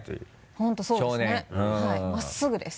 本当そうですねはい真っすぐです。